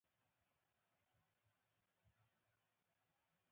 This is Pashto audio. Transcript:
دومره زور نه لري چې دا لوبه بریالۍ کړي.